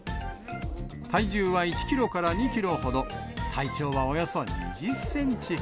体重は１キロから２キロほど、体長はおよそ２０センチ。